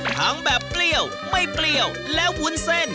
ทั้งแบบเปรี้ยวไม่เปรี้ยวและวุ้นเส้น